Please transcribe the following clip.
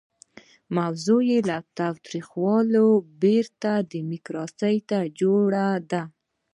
موضوع یې له تاوتریخوالي پرته د ډیموکراسۍ جوړول دي.